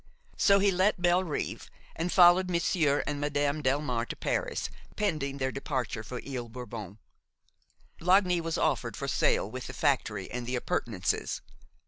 So he let Bellerive and followed Monsieur and Madame Delmare to Paris, pending their departure for Ile Bourbon Lagny was offered for sale with the factory and the appurtenances.